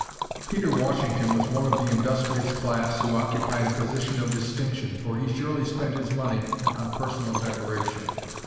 Peter Washington was one of the industrious class who occupied a position of distinction, for he surely spent his money on personal decoration.